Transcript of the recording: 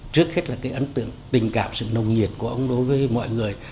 trước hết là cái ấn tượng tình cảm sự nồng nhiệt của ông đối với mọi người